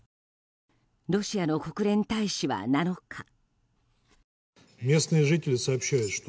ロシアの国連大使は７日。